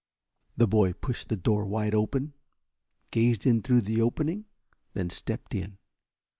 The boy pushed the door wide open, gazed in through the opening, then stepped in.